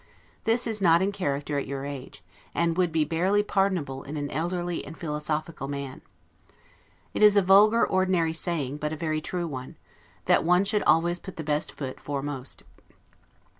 This is not in character at your age, and would be barely pardonable in an elderly and philosophical man. It is a vulgar, ordinary saying, but it is a very true one, that one should always put the best foot foremost.